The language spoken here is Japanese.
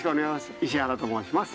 石原と申します。